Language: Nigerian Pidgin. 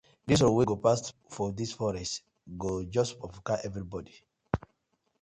Dis road wey go pass for dis forest go just kpafuka everybodi.